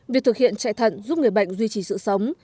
việc thực hiện chạy thận giúp người bệnh duy trì sự sống